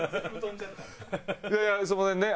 いやいやすみませんね。